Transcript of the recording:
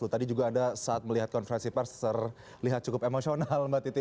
tadi juga anda saat melihat konferensi pers terlihat cukup emosional mbak titi